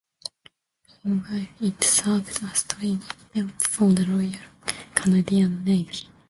Meanwhile, it served as training camp for the Royal Canadian Navy.